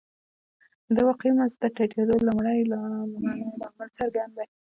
د واقعي مزد د ټیټېدو لومړنی لامل څرګند دی